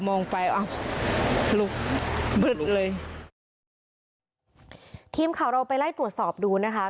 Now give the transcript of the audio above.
มองไปอ่ะลุกเลยทีมข่าวเราไปไล่ตรวจสอบดูนะคะ